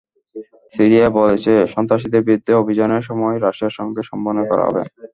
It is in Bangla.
সিরিয়া বলেছে, সন্ত্রাসীদের বিরুদ্ধে অভিযানের সময় রাশিয়ার সঙ্গে সমন্বয় করা হবে।